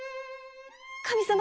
神様